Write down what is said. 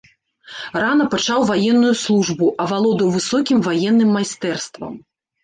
Рана пачаў ваенную службу, авалодаў высокім ваенным майстэрствам.